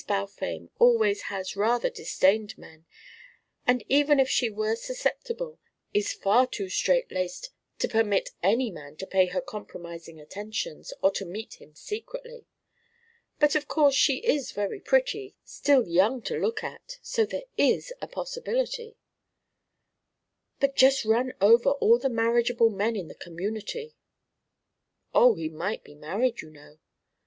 Balfame always has rather disdained men, and even if she were susceptible is far too straight laced to permit any man to pay her compromising attentions, or to meet him secretly. But of course she is very pretty, still young to look at, so there is the possibility " "But just run over all the marriageable men in the community " "Oh, he might be married, you know."